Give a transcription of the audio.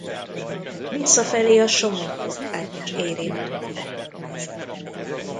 Visszafelé a Somogyi utcát is érintette.